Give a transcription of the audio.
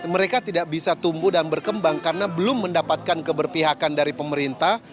mereka tidak bisa tumbuh dan berkembang karena belum mendapatkan keberpihakan dari pemerintah